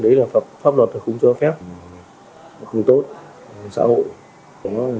đấy là pháp luật là không cho phép không tốt xã hội